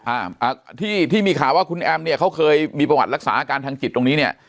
อ่าอ่าที่ที่มีข่าวว่าคุณแอมเนี่ยเขาเคยมีประวัติรักษาอาการทางจิตตรงนี้เนี่ย